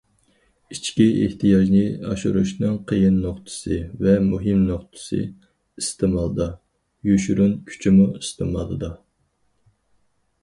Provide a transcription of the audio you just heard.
ئىچكى ئېھتىياجنى ئاشۇرۇشنىڭ قىيىن نۇقتىسى ۋە مۇھىم نۇقتىسى ئىستېمالدا، يوشۇرۇن كۈچىمۇ ئىستېمالدا.